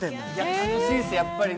楽しいです、やっぱりね。